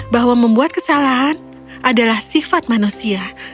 bahwa membuat kesalahan adalah sifat manusia